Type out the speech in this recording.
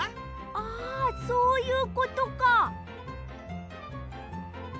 ああそういうことか！